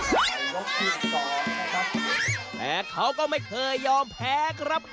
แม้เขาก็ไม่เคยยอมแพ้ครับ